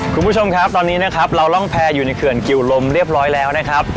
คุณผู้ชมครับตอนนี้นะครับเราร่องแพรอยู่ในเขื่อนกิวลมเรียบร้อยแล้วนะครับ